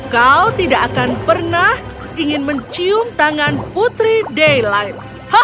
kau tidak akan pernah ingin mencium tangan putri dayline